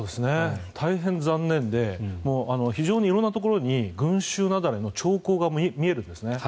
大変残念で非常に色んなところに群衆雪崩の兆候が見えるんですね。